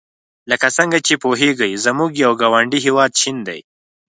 لکه څنګه چې پوهیږئ زموږ یو ګاونډي هېواد چین دی.